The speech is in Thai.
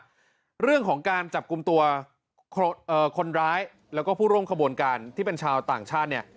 เรื่องที่เรื่องการจับกลุ่มตัวคนร้ายและผู้ร่วมควบวนการย์ชาวต่างชาติ